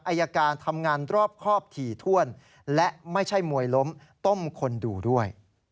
อายการทำงานรอบครอบถี่ถ้วนและไม่ใช่มวยล้มต้มคนดูด้วย